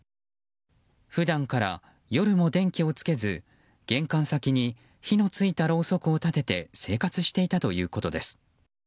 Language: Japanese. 普段から夜も電気をつけず玄関先に火のついたろうそくを立てて生活していたということです。